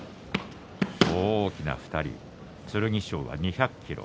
大きな２人、剣翔は２００ｋｇ。